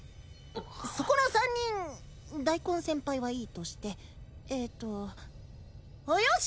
そこの３人大根先輩はいいとしてえーとおっよし！